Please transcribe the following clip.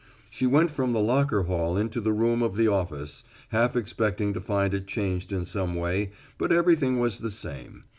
She went from the locker hall into the room of the office, half expecting to find it changed in some way, but everything was the same.